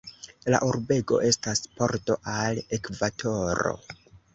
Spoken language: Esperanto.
La urbego estas pordo al Ekvatoro.